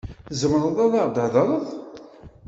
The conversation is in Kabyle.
Tzemreḍ ad aɣ-d-theḍṛeḍ.